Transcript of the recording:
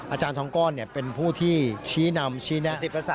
อาจารย์ทองก้อนเป็นผู้ที่ชี้นำชี้แนะ๑๐